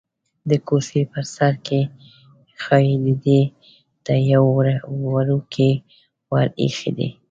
د کوڅې په بر سر کې ښيي ډډې ته یو وړوکی ور ایښی دی.